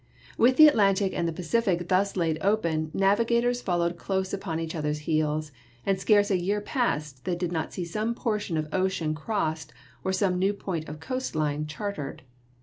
With the Atlantic and the Pacific thus laid open, navi gators followed close upon each other's heels, and scarce a year passed that did not see some portion of ocean crossed or some new point of coast line charted.